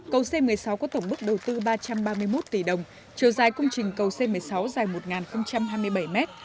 cầu c một mươi sáu có tổng mức đầu tư ba trăm ba mươi một tỷ đồng chiều dài công trình cầu c một mươi sáu dài một hai mươi bảy mét